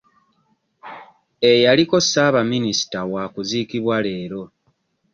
Eyaliko ssaabaminisita wa kuziikibwa leero.